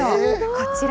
こちら。